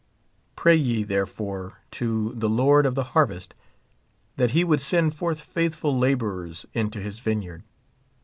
Pray ye, therefore, to the Lord of the harvest that he would send forth faithful laborers into his vineyard.